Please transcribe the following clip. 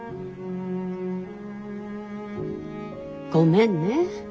ごめんね。